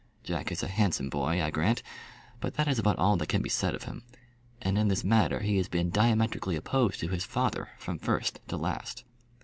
Jack is a handsome boy, I grant, but that is about all that can be said of him; and in this matter he has been diametrically opposed to his father from first to last.